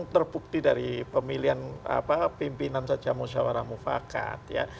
terbukti dari pemilihan pimpinan saja musyawarah mufakat ya